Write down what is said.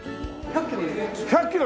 １００キロ。